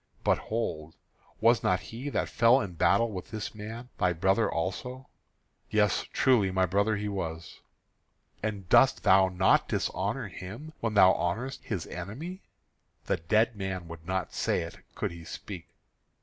But, hold, was not he that fell in battle with this man thy brother also?" "Yes, truly, my brother he was." "And dost thou not dishonour him when thou honourest his enemy?" "The dead man would not say it, could he speak."